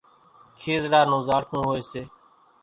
کيزڙا نون زاڙکون هوئيَ سي۔